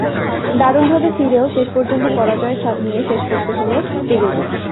দারুণভাবে ফিরেও শেষ পর্যন্ত পরাজয়ের স্বাদ নিয়ে শেষ করতে হলো সিরিজ।